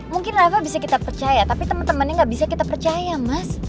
mungkin reva bisa kita percaya tapi temen temennya gak bisa kita percaya mas